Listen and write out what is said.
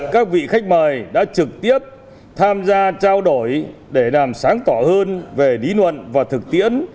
các vị khách mời đã trực tiếp tham gia trao đổi để làm sáng tỏa hơn về lý luận và thực tiễn